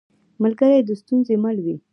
ملګری د ستونزو مل وي